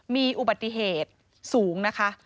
มีอุบัติเหตุสูงนะคะ